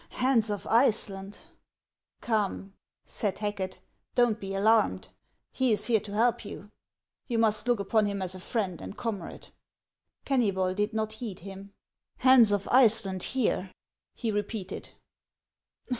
" Hans of Iceland !"" Come," said Hacket, " don't be alarmed ! He is here to help you. You must look upon him as a friend and comrade." Keimybol did not heed him. " Hans of Iceland here !" he repeated.